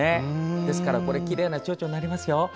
ですからきれいなちょうちょうになりますよ。